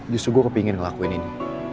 justru gue kepingin ngelakuin ini